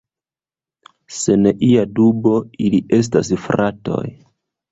Sen ia dubo, ili estas fratoj!